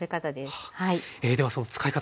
ではその使い方